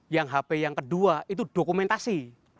yang hp yang kedua itu dokumentasi